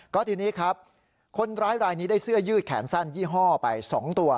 ก็ทีนี้ครับคนร้ายรายนี้ได้เสื้อยืดแขนสั้นยี่ห้อไป๒ตัว